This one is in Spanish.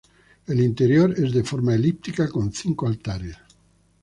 El interior es de forma elíptica con cinco altares.